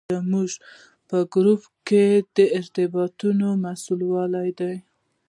زموږ په ګروپ کې د ارتباطاتو مسوول دی.